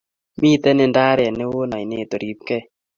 Miten ndaret newon ainet oripkee.